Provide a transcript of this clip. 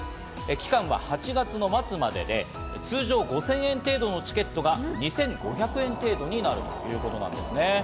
期間は８月の末までで、通常５０００円程度のチケットが２５００円程度になるということなんですね。